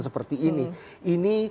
seperti ini ini